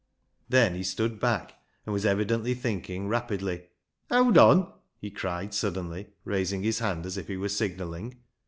Then he stood back, and was evidently thinking rapidly. " Howd on !" he cried suddenly, raising his hand as if he were signalling.